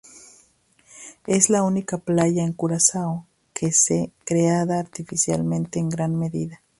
Es la única playa en Curazao, que se creada artificialmente en gran medida.